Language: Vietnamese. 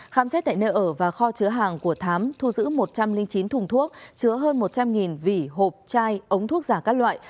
khám xét tại nơi ở và kho chứa hàng của thám thu giữ một trăm linh chín thùng thuốc chứa hơn một trăm linh vỉ hộp chai ống thuốc giả các loại